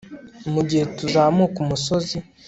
mugihe tuzamuka umusozi